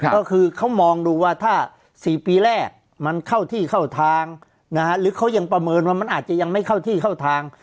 ก็คือเขามองดูว่าถ้า๔ปีแรกมันเข้าที่เข้าทางหรือเขายังประเมินว่ามันอาจจะยังไม่เข้าที่เข้าทาง